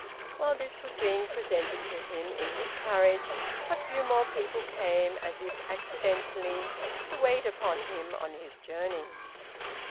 While this was being presented to him in his carriage, a few more people came, as if accidentally, to wait upon him on his journey.